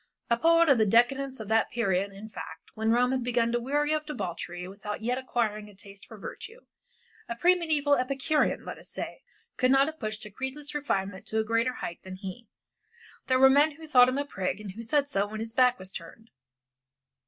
A poet of the decadence of that period in fact when Rome had begun to weary of debauchery without yet acquiring a taste for virtue, a pre mediæval Epicurean, let us say, could not have pushed a creedless refinement to a greater height than he. There were men who thought him a prig, and who said so when his back was turned.